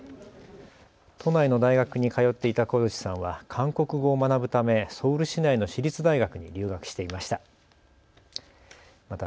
都内の大学に通っていた小槌さんは韓国語を学ぶためソウル市内の私立大学に留学していました。